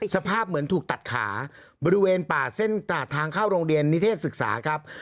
สภาพเหมือนถูกตัดขาบริเวณป่าเส้นทางเข้าโรงเรียนนิเทศศึกษาครับ